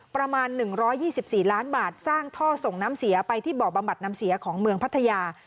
ประมาณ๑๒๔ล้านบาทสร้างท่อส่งน้ำเสียไปที่บ่อบำบัดน้ำเสียของเมืองพัทยา